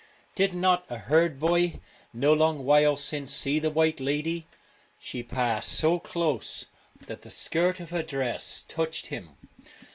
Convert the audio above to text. Did not a herd boy, no long while since, see the White Lady? She passed so close that the skirt of her dress touched him.